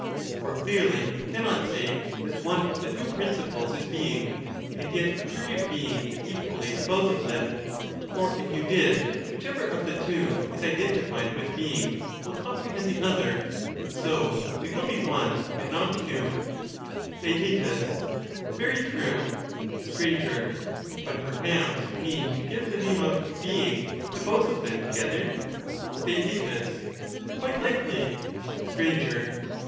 For clearly you cannot say that ^*f™in ' one of the two principles is being, and yet attribute being any case equally to both of them; for, if you did, whichever of the two ^^^^\ is identified with being, will comprehend the other ; and so wiu be they will be one and not two.* resolved Jl __ into one. Theaet Very true. Str, But perhaps you mean to give the name of ' being ' to both of them together? Theaet Quite likely. 344 Str.